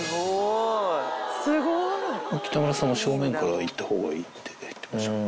北村さんも正面からいったほうがいいって言ってました。